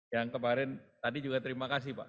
yang kemarin tadi juga terima kasih pak